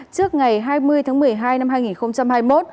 trước ngày hai mươi tháng một mươi hai năm hai nghìn hai mươi một